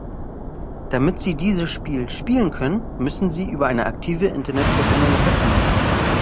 Damit Sie dieses Spiel spielen können, müssen Sie über eine aktive Internet-Verbindung verfügen.